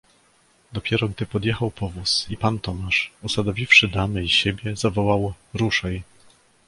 "Dopiero, gdy podjechał powóz i pan Tomasz, usadowiwszy damy i siebie, zawołał: ruszaj!"